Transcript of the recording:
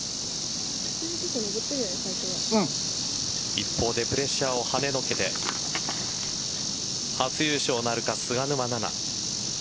一方でプレッシャーをはねのけて初優勝なるか菅沼菜々。